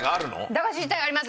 駄菓子自体ありますよ。